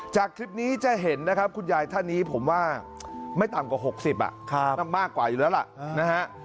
จากคลิปนี้จะเห็นนะครับคุณยายท่านนี้ผมว่าไม่ต่ำกว่า๖๐มันมากกว่าอยู่แล้วล่ะนะฮะ